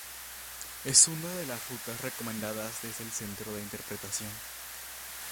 Es una de las rutas recomendadas desde el centro de interpretación.